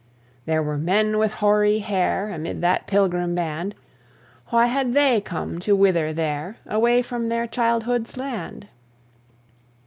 There were men with hoary hair, Amid that pilgrim band; Why had they come to wither there, Away from their childhood's land?